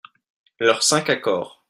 Leurs cinq accords.